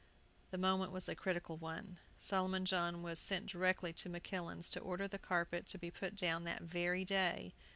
The moment was a critical one. Solomon John was sent directly to Makillan's to order the carpet to be put down that very day.